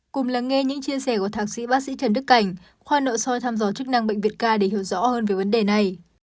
cùng lắng nghe những chia sẻ của thạc sĩ bác sĩ trần đức cảnh khoa nội soi thăm dò chức năng bệnh viện k để hiểu rõ hơn về vấn đề này